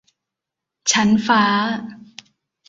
ชั้นฟ้า